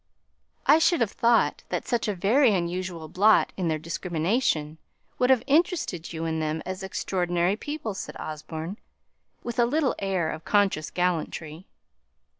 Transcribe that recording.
"I should have thought that such a very unusual blot in their discrimination would have interested you in them as extraordinary people," said Osborne, with a little air of conscious gallantry.